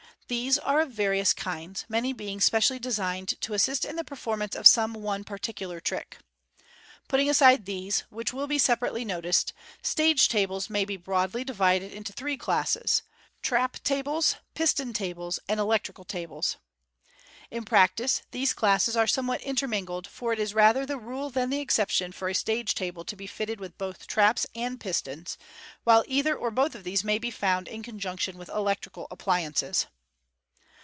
These are of various kinds, many being specially designed to assist in the performance of some one particular trick. Putting aside these, which will be separately noticed, stage tables may be broadly divided into three classes — trap tables, piston tables, and electrical tables. In practice, these classes are somewhat intermingled, for it is rather the rule than the exception for a stage table to be fitted with both traps and pistons, while either or both of these may be found in conjunction with electrical appliances.